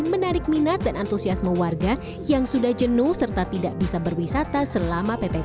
menarik minat dan antusiasme warga yang sudah jenuh serta tidak bisa berwisata selama ppkm